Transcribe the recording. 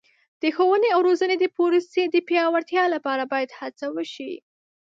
د ښوونې او روزنې د پروسې د پیاوړتیا لپاره باید هڅه وشي.